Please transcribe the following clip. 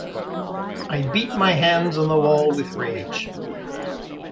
I beat my hands on the wall with rage.